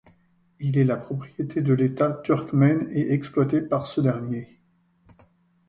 Il est la propriété de l'état turkmène et exploité par ce dernier.